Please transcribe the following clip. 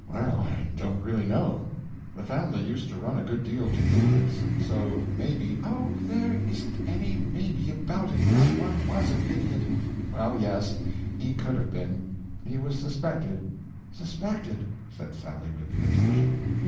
"Well, I don't really know. The family used to run a good deal to idiots, and so, maybe—" "Oh, there isn't any maybe about it. This one was an idiot." "Well, yes—he could have been. He was suspected." "Suspected!" said Sally, with irritation.